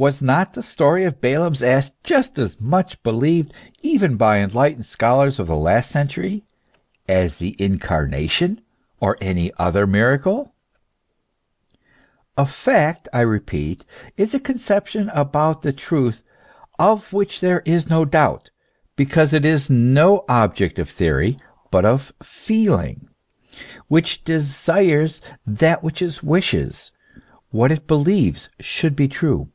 Was not the story of Balaam's ass just as much believed even by enlightened scholars of the last century, as the Incarnation or any other miracle ? A fact, I repeat, is a conception about the truth of which there is no doubt, because it is no object of theory, but of feeling, which desires that what it wishes, what it believes, should be true.